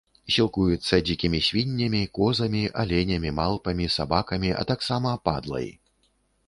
Сілкуецца дзікімі свіннямі, козамі, аленямі малпамі, сабакамі, а таксама падлай.